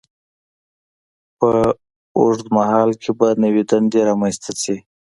په اوږد مهال کې به نوې دندې رامینځته شي.